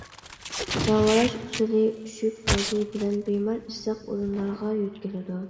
داۋالاش ئۇسۇلى ئۈششۈك ئالدى بىلەن بىمار ئىسسىق ئورۇنلارغا يۆتكىلىدۇ.